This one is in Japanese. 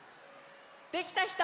できたひと？